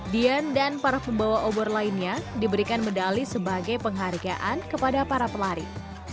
dian dan para pembawa obor lainnya diberikan medali sebagai penghargaan kepada para pelari